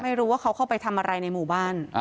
ไม่รู้ว่าเขาเข้าไปทำอะไรในหมู่บ้าน